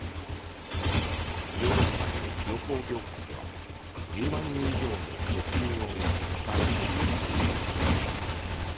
ヨーロッパの旅行業界では１０万人以上の欠員を抱えているという。